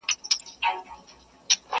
هسي ویني بهېدلې له پرهاره،